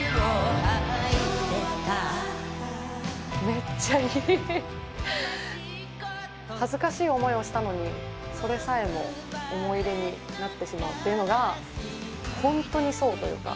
めっちゃいい。恥ずかしい思いをしたのにそれさえも思い出になってしまうというのが「ホントにそう」というか。